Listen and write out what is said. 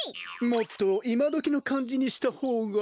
もっといまどきのかんじにしたほうが。